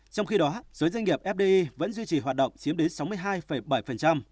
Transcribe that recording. trong khi đó giới doanh nghiệp fdi vẫn duy trì hoạt động chiếm đến sáu mươi hai bảy